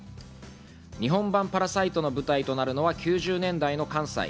日本版『パラサイト』の舞台となるのは、９０年代の関西。